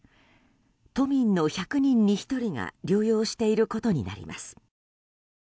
都民の１００人に１人が療養していることになります。